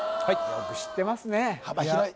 よく知ってますね幅広い！